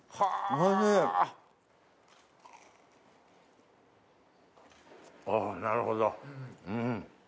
おぉなるほどうん。